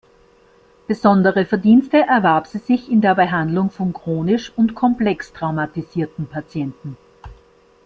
Besondere Verdienste erwarb sie sich in der Behandlung von chronisch und komplex traumatisierten Patienten.